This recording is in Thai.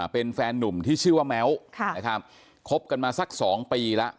เป็นแฟนนุ่มที่ชื่อว่าแม้วนะครับคบกันมาสัก๒ปีแล้ว